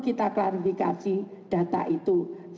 kita klarifikasi data itu